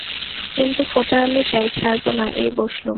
কিন্তু ফোঁটা আমি চাই, ছাড়ব না, এই বসলুম।